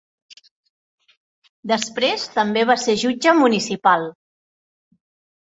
Després també va ser jutge municipal.